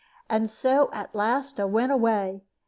And so at last a' went away.